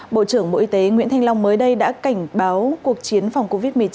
bộ trưởng bộ y tế nguyễn thanh long mới đây đã cảnh báo cuộc chiến phòng covid một mươi chín